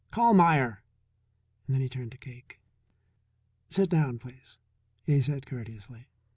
Call Meier." Then he turned to Cake. "Sit down, please," he said courteously.